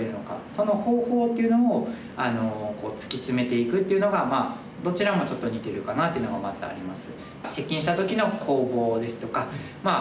その方法っていうのを突き詰めていくっていうのがどちらもちょっと似てるかなというのがまずあります。